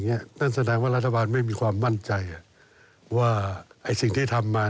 นั่นแสดงว่ารัฐบาลไม่มีความมั่นใจว่าไอ้สิ่งที่ทำมา